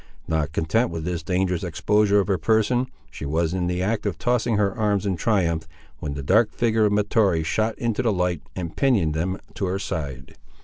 Not content with this dangerous exposure of her person, she was in the act of tossing her arms in triumph, when the dark figure of Mahtoree shot into the light and pinioned them to her side.